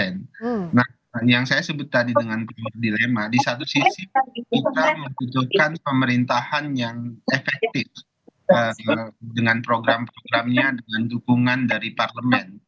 nah yang saya sebut tadi dengan pak mardilema di satu sisi kita membutuhkan pemerintahan yang efektif dengan program programnya dengan dukungan dari parlemen